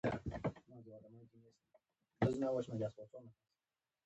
له داسې نېک موټر چلوونکي سره سفر و.